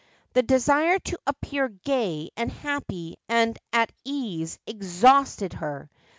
The desire to appear gay and happy and at ease exhausted her.